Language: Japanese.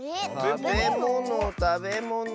たべものたべもの。